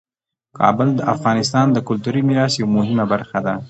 کابل د افغانستان د کلتوري میراث یوه مهمه برخه ده.